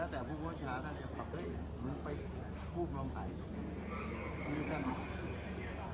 เหมือนทหารเวลาไปไลน์งานตัว